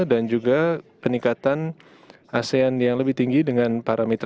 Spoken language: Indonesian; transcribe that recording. dan juga peningkatan asean yang lebih tinggi dengan parametri